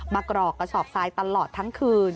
มากรอกกสอบซ้ายตลอดทั้งคืน